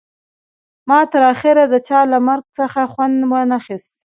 ما تر اخره د چا له مرګ څخه خوند ونه خیست